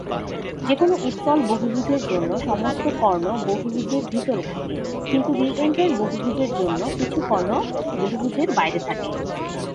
যে কোন উত্তল বহুভুজের জন্য, সমস্ত কর্ণ বহুভুজের ভিতরে থাকে, কিন্তু রি-এনট্রান্ট বহুভুজের জন্য, কিছু কর্ণ বহুভুজের বাইরে থাকে।